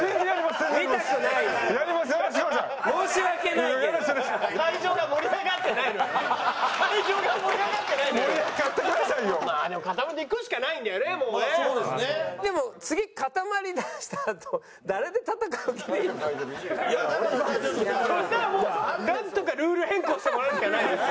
そしたらもうなんとかルール変更してもらうしかないですよ。